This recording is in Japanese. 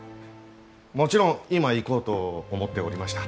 もちろん今行こうと思っておりました。